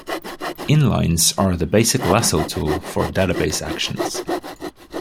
Inlines are the basic Lasso tool for database actions.